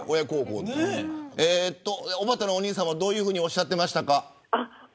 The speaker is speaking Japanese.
おばたのお兄さんはどういうふうにおっしゃってましたか。